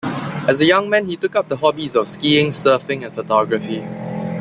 As a young man he took up the hobbies of skiing, surfing, and photography.